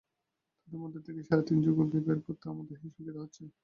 তাঁদের মধ্য থেকে সেরা তিন যুগলকে বের করতে আমাদের হিমশিম খেতে হচ্ছে।